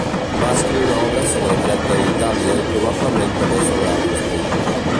Va escriure obres sobre Creta i Itàlia i probablement també sobre altres països.